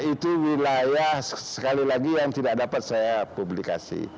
itu wilayah sekali lagi yang tidak dapat saya publikasi